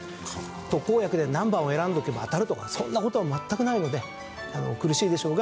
特効薬で何番を選んでおけば当たるとかそんな事は全くないので苦しいでしょうが。